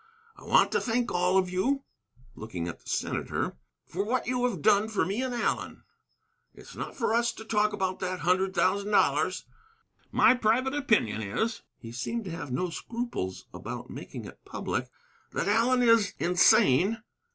I want to thank all of you (looking at the senator) for what you have done for me and Allen. It's not for us to talk about that hundred thousand dollars. My private opinion is (he seemed to have no scruples about making it public) that Allen is insane.